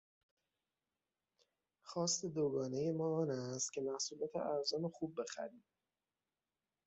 خواست دوگانهی ما آن است که محصولات ارزان و خوب بخریم.